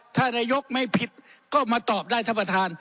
ถ้านายกไม่ผิดก็มาตอบได้ท่านประธาน